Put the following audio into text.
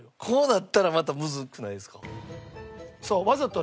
こうなったらまたむずくないですか？